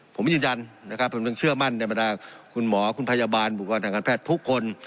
ผมยืนยันฉันต้องเชื่อมั่นในประตาคุณหมอคุณพยาบาลบุควรัฐงานแพทย์ทุกคน